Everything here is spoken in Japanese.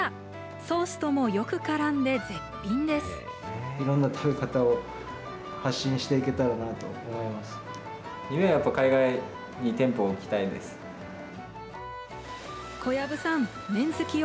ソースともよくからんで絶品です。